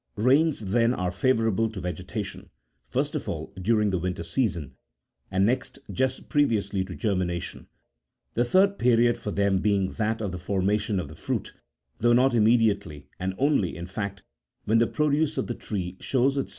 Rains, then, are favourable to vegetation — first of all, during the winter season, and next, just previously to germination ; the third period for them being that of the formation of the fruit, though not immediately, and only, in fact, when the produce of the tree shows itself strong and healthy.